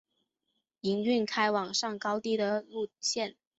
营运开往上高地的路线。